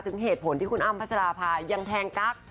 เหตุผลที่คุณอ้ำพัชราภายังแทงกั๊ก